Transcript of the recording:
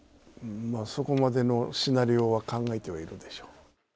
そこまでのシナリオを考えてはいるでしょ。